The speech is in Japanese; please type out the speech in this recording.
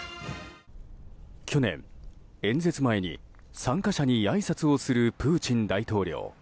去年、演説前に参加者にあいさつをするプーチン大統領。